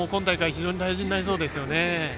非常に大事になりそうですね。